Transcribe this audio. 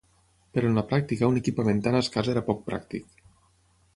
Però en la pràctica un equipament tan escàs era poc pràctic.